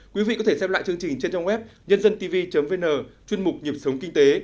quý vị có thể xem lại chương trình trên trang web nhândantv vn chuyên mục nhập sống kinh tế